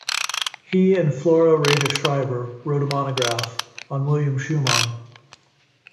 He and Flora Rheta Schreiber wrote a monograph on William Schuman.